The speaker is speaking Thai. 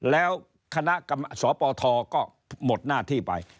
แล้วคณะกรรมติประการสอปทก็หมดหน้าที่ไป